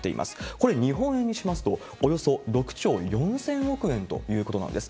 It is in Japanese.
これ、日本円にしますと、およそ６兆４０００億円ということなんです。